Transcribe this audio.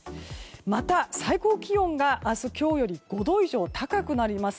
また、最高気温が明日は今日より５度以上高くなります。